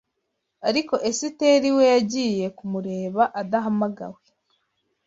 Ariko Esiteri we yagiye kumureba adahamagawe